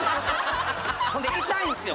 ほんで痛いんすよ